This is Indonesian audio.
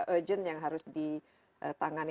urgent yang harus ditangani